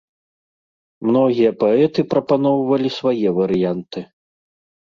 Многія паэты прапаноўвалі свае варыянты.